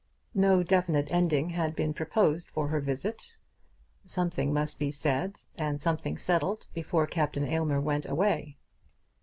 No definite ending had been proposed for her visit. Something must be said and something settled before Captain Aylmer went away.